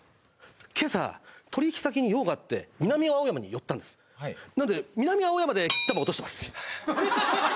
今朝取引先に用があって南青山に寄ったんですなので南青山で○○玉落としてます